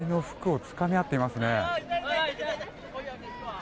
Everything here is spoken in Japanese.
お互いの服をつかみ合っていますね。